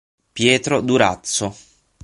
Pietro Durazzo